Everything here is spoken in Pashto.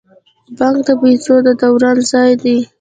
بانک د پیسو د دوران ځای دی